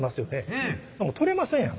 取れませんやん